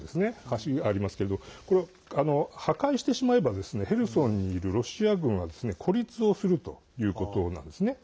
橋がありますけどこれを破壊してしまえばヘルソンにいるロシア軍は孤立をするということなんですね。